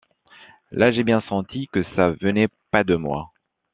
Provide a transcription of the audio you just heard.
Là j'ai bien senti que ça venait pas de moi.